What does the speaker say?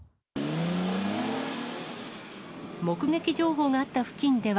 目撃情報があった付近では。